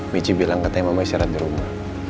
michi bilang katanya mama isyarat di rumah